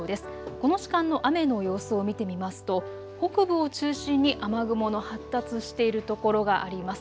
この時間の雨の様子を見てみますと北部を中心に雨雲の発達しているところがあります。